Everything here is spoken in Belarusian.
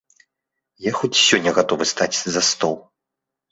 Я хоць сёння гатовы стаць за стол.